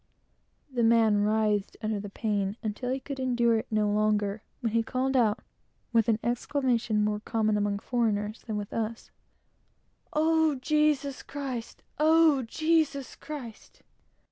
The man writhed under the pain, until he could endure it no longer, when he called out, with an exclamation more common among foreigners than with us "Oh, Jesus Christ! Oh, Jesus Christ!"